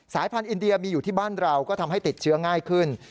พันธุ์อินเดียมีอยู่ที่บ้านเราก็ทำให้ติดเชื้อง่ายขึ้น